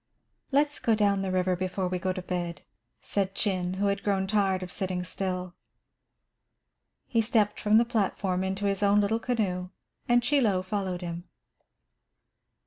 "Let's go down the river before we go to bed," said Chin, who had grown tired of sitting still. He stepped from the platform into his own little canoe and Chie Lo followed him.